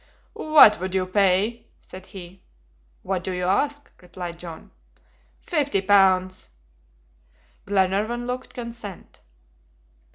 "What would you pay?" said he. "What do you ask?" replied John. "Fifty pounds." Glenarvan looked consent.